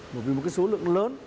bởi vì một cái số lượng lớn